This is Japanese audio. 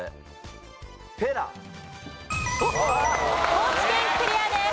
高知県クリアです。